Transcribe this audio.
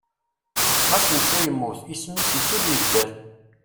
Ɣas netta yemmut, isem-is isul yedder.